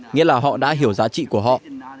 nghĩa là họ đã hiểu giá trị của họ